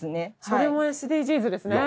それもＳＤＧｓですね